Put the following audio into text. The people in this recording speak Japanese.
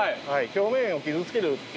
表面を傷つけると